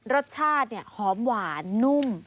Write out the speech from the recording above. รสชาติเนี่ยหอมหวานนุ่ม